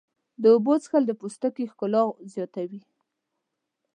د اوبو څښل د پوستکي ښکلا زیاتوي.